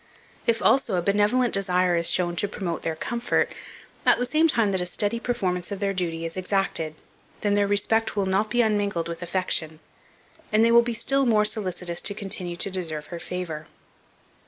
If, also, a benevolent desire is shown to promote their comfort, at the same time that a steady performance of their duty is exacted, then their respect will not be unmingled with affection, and they will be still more solicitous to continue to deserve her favour.